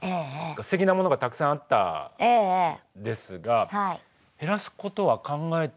ステキなものがたくさんあったんですが減らすことは考えてらっしゃるのか？